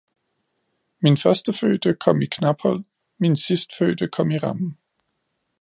Min førstefødte kom i knaphul, min sidstfødte kom i ramme